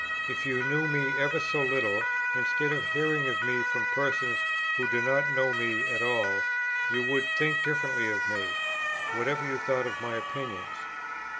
If you knew me ever so little, instead of hearing of me from persons who do not know me at all, you would think differently of me, whatever you thought of my opinions.